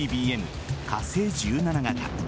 火星１７型。